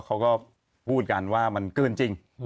เขาก็พูดกันว่ามันเกินจริง